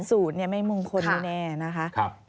ศูนย์นี่ไม่มงคลแน่นะคะ